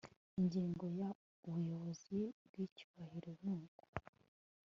ingingo ya ubuyobozi bw icyubahiro n uko